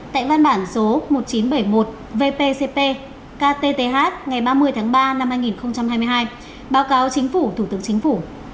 tại văn bản số một nghìn chín trăm bảy mươi một vpcp ktth ngày ba mươi tháng ba năm hai nghìn hai mươi hai báo cáo chính phủ thủ tướng chính phủ